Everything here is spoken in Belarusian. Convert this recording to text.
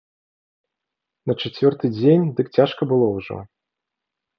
На чацвёрты дзень дык цяжка было ўжо.